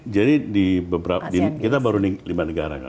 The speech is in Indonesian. jadi di beberapa kita baru lima negara kan